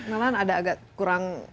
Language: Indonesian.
malahan ada agak kurang